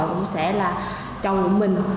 cũng sẽ là chồng mình